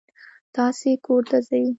تاسې کور ته ځئ.